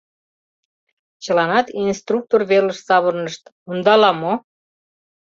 Чыланат инструктор велыш савырнышт: ондала мо?